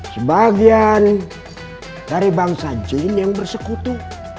sebagian dari bangsa jin yang bersekutu